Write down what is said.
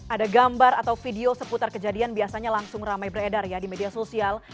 ada gambar atau video seputar kejadian biasanya langsung ramai beredar ya di media sosial